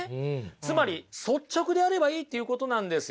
つまり率直であればいいっていうことなんですよ。